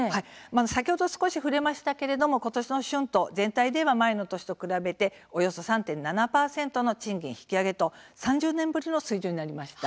先ほど少し触れましたが今年の春闘全体では前の年と比べておよそ３．７％の賃金の引き上げと３０年ぶりの水準になりました。